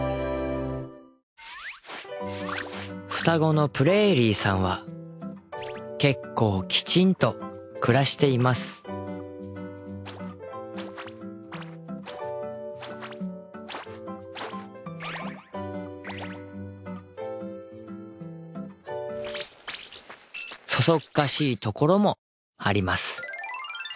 双子のプレーリーさんは結構きちんと暮らしていますそそっかしいところもあります。